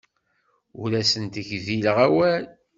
Ur asent-gdileɣ awal.